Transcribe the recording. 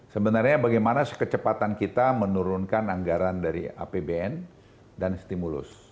sebenarnya bagaimana sekecepatan kita menurunkan anggaran dari apbn dan stimulus